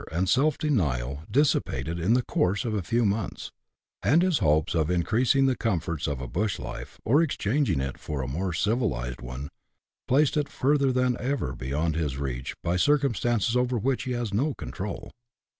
and self denial dissipated in the course of a few months, and his hopes of increasing the comforts of a bush life, or exchanging it for a more civilised one, placed further than ever beyond his reach by circumstances over which he has no control.